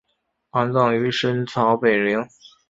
安葬于深草北陵。